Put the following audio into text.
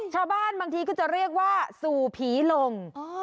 ชาวบ้านบางทีก็จะเรียกว่าสู่ผีลง